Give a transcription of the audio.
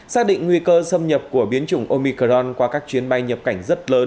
xác định nguy cơ xâm nhập của biến chủng omicron qua các chuyến bay nhập cảnh rất lớn